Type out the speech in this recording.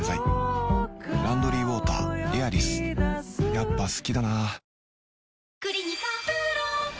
やっぱ好きだな